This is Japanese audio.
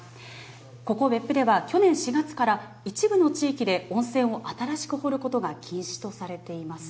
ここ別府では、去年４月から一部の地域で温泉を新しく掘ることが禁止とされています。